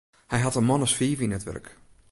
Hy hat in man as fiif yn it wurk.